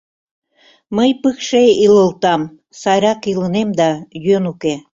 Мый пыкше илылтам, сайрак илынем, да йӧн уке.